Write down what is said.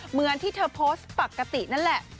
เหมือนที่เธอโพสต์ปกตินั่นแหละ